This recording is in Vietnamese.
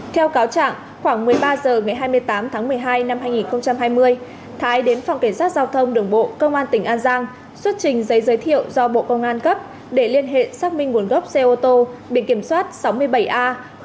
theo cáo trạng khoảng một mươi ba h ngày hai mươi tám tháng một mươi hai năm hai nghìn hai mươi thái đến phòng cảnh sát giao thông đường bộ công an tỉnh an giang xuất trình giấy giới thiệu do bộ công an cấp để liên hệ xác minh nguồn gốc xe ô tô biển kiểm soát sáu mươi bảy a một nghìn tám trăm ba